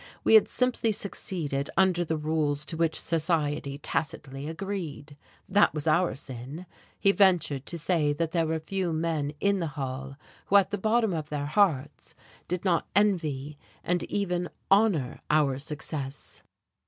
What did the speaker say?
We had simply succeeded under the rules to which society tacitly agreed. That was our sin. He ventured to say that there were few men in the hall who at the bottom of their hearts did not envy and even honour our success.